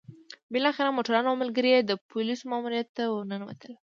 بالاخره موټروان او ملګري يې د پوليسو ماموريت ته ورننوتل.